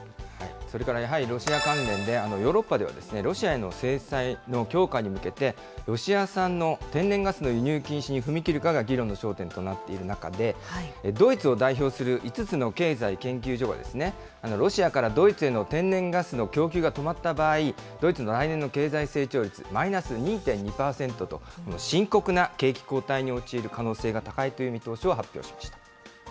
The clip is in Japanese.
それからやはりロシア関連で、ヨーロッパでは、ロシアへの制裁の強化に向けて、ロシア産の天然ガスの輸入禁止に踏み切るかが議論の焦点となっている中で、ドイツを代表する５つの経済研究所が、ロシアからドイツへの天然ガスの供給が止まった場合、ドイツの来年の経済成長率、マイナス２．２％と、深刻な景気後退に陥る可能性が高いという見通しを発表しました。